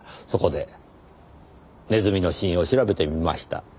そこでネズミの死因を調べてみました。